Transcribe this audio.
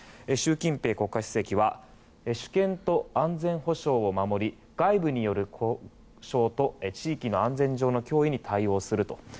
習近平国家主席は主権と安全保障を守り外部による交渉と地域の安全上の脅威に対応すると。